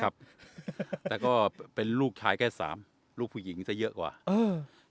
ครับแล้วก็เป็นลูกชายแค่สามลูกผู้หญิงจะเยอะกว่าเออ